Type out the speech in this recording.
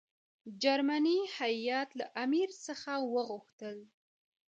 جرمني هیات له امیر څخه وغوښتل.